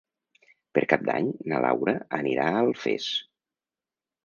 Per Cap d'Any na Laura anirà a Alfés.